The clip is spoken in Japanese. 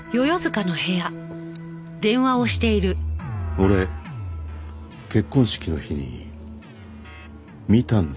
俺結婚式の日に見たんですよ。